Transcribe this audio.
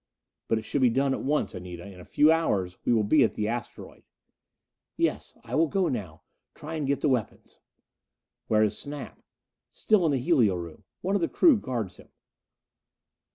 "But it should be done at once, Anita. In a few hours we will be at the asteroid." "Yes. I will go now try and get the weapons." "Where is Snap?" "Still in the helio room. One of the crew guards him."